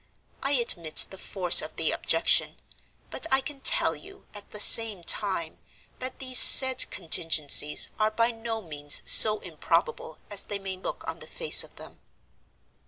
I admit the force of the objection; but I can tell you, at the same time, that these said contingencies are by no means so improbable as they may look on the face of them.